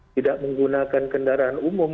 tidak menggunakan kendaraan umum